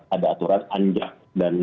ada aturan anjak dan